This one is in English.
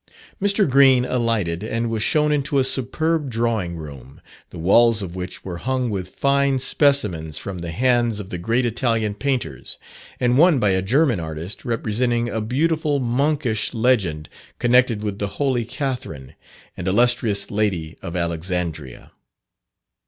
Mr. Green alighted and was shown into a superb drawing room, the walls of which were hung with fine specimens from the hands of the great Italian painters, and one by a German artist representing a beautiful monkish legend connected with "The Holy Catherine," and illustrious lady of Alexandria.